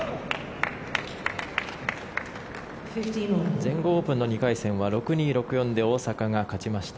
全豪オープンの２回戦は６−２、６−４で大坂が勝ちました。